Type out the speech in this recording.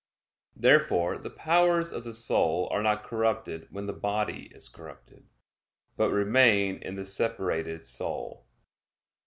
Therefore the powers of the soul are not corrupted when the body is corrupted, but remain in the separated soul.